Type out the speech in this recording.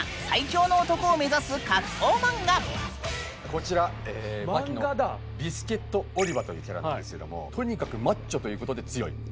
こちら「バキ」のビスケット・オリバというキャラなんですけどもとにかくマッチョということで強い。